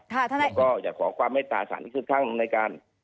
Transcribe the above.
และก็ยังขอความเมตตาสารที่คือทั้งในการ